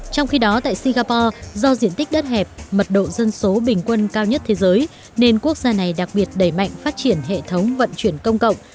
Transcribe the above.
trong khi đó tại singapore do diện tích đất hẹp mật độ dân số bình quân cao nhất thế giới nên quốc gia này đặc biệt đẩy mạnh phát triển hệ thống vận chuyển công cộng